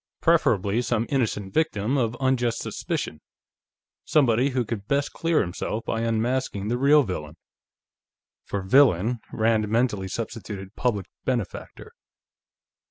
Preferably some innocent victim of unjust suspicion; somebody who could best clear himself by unmasking the real villain.... For "villain," Rand mentally substituted "public benefactor."